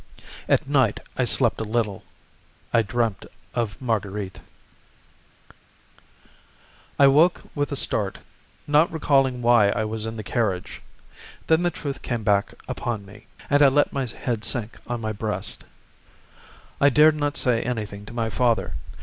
At night I slept a little. I dreamed of Marguerite. I woke with a start, not recalling why I was in the carriage. Then the truth came back upon me, and I let my head sink on my breast. I dared not say anything to my father.